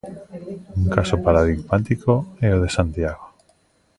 Un caso paradigmático é o de Santiago.